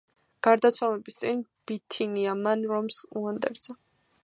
გარდაცვალების წინ ბითინია მან რომს უანდერძა.